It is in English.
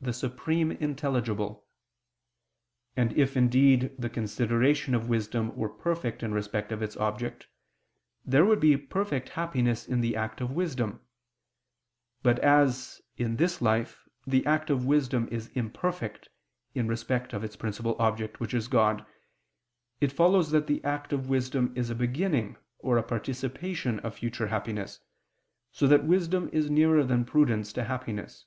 the Supreme Intelligible. And if indeed the consideration of wisdom were perfect in respect of its object, there would be perfect happiness in the act of wisdom: but as, in this life, the act of wisdom is imperfect in respect of its principal object, which is God, it follows that the act of wisdom is a beginning or participation of future happiness, so that wisdom is nearer than prudence to happiness.